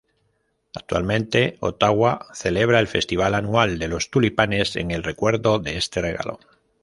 Actualmente, Ottawa celebra el Festival Anual de los Tulipanes, en recuerdo de este regalo.